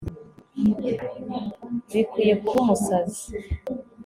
Bikwiye kuba umusazi